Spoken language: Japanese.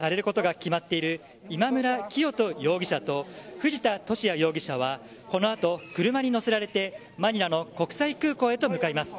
今日、強制送還がされることが決まっている今村磨人容疑者と藤田聖也容疑者はこの後、車に乗せられてマニラの国際空港へと向かいます。